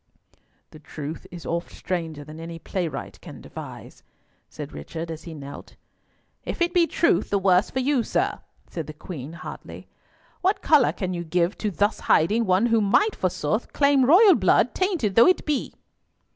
"The truth is oft stranger than any playwright can devise," said Richard, as he knelt. "If it be truth, the worse for you, sir," said the Queen, hotly. "What colour can you give to thus hiding one who might, forsooth, claim royal blood, tainted though it be?"